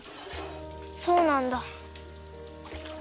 そうなんだ。